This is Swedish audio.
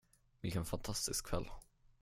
Vilken fantastisk kväll.